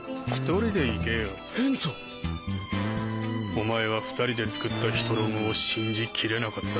お前は２人でつくったヒトログを信じ切れなかった。